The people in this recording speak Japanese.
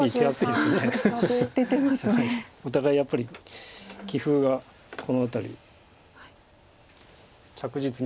お互いやっぱり棋風がこの辺り着実に。